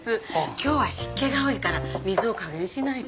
今日は湿気が多いから水を加減しないと。